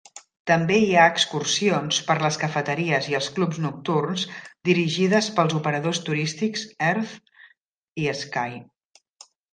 També hi ha excursions per les cafeteries i els clubs nocturns dirigides pels operadors turístics Earth i Sky.